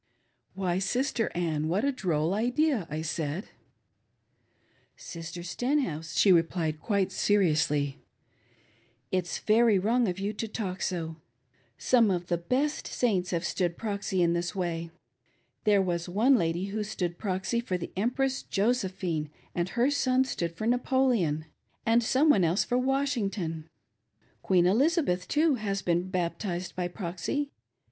"Why, Sister Ann, what a droll idea," I said. "Sister Stenhouse," she replied, quite seriously, "It's very wrong of you to talk so. Some of the best Saints have stood proxy in this way. There was one lady who stood proxy for the Empress Josephine, and her son stood for Napoleon, and some one else for Washington. Queen Elisabeth, too, has been baptized by proxy.